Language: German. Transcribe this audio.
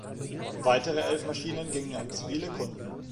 Weitere elf Maschinen gingen an zivile Kunden.